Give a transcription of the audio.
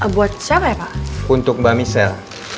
buat siapa ya pak untuk mbak misel